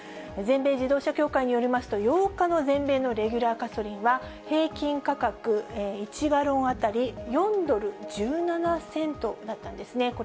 全米自動車協会によりますと、８日の全米のレギュラーガソリンは、平均価格、１ガロン当たり４ドル１７セントだったんですね。